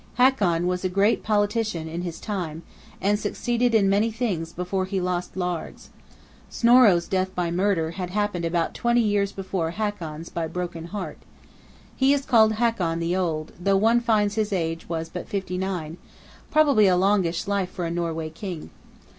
Hakon was a great Politician in his time; and succeeded in many things before he lost Largs. Snorro's death by murder had happened about twenty years before Hakon's by broken heart. He is called Hakon the Old, though one finds his age was but fifty nine, probably a longish life for a Norway King.